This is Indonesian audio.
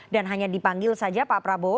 dan hanya dipanggil saja pak prabowo